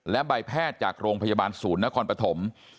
และใบแพทย์จากโรงพยาบาลศูนย์นครปฐม